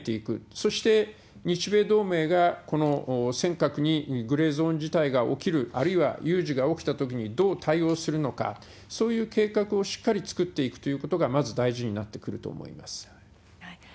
そして日米同盟がこの尖閣にグレーゾーン事態が起きる、あるいは有事が起きたときにどう対応するのか、そういう計画をしっかり作っていくということが、まず大事になってくると思います。